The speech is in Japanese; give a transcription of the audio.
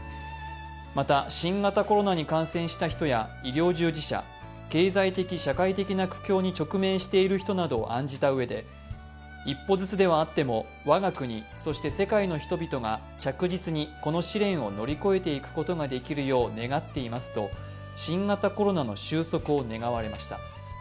また、新型コロナに感染した人や医療従事者、経済的社会的な苦境に直面した人などを案じたうえで一歩ずつではあっても我が国、そして世界の人々が着実にこの試練を乗り越えていくことができるよう願っていますと新型コロナの収束を願われました。